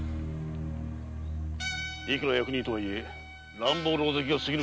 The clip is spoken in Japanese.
いくら役人とはいえ乱暴狼藉が過ぎぬか？